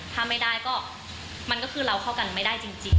ถ้าไม่ได้ก็มันก็คือเราเข้ากันไม่ได้จริง